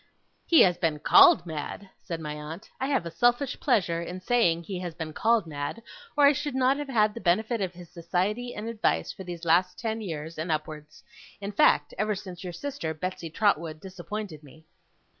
'He has been CALLED mad,' said my aunt. 'I have a selfish pleasure in saying he has been called mad, or I should not have had the benefit of his society and advice for these last ten years and upwards in fact, ever since your sister, Betsey Trotwood, disappointed me.